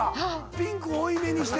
ピンク多めにして。